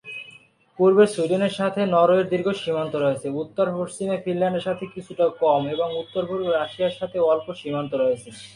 পূর্বে সুইডেনের সাথে নরওয়ের দীর্ঘ সীমান্ত রয়েছে, উত্তর পশ্চিমে ফিনল্যান্ডের সাথে কিছুটা কম এবং উত্তর-পূর্বে রাশিয়ার সাথে অল্প সীমান্ত রয়েছে।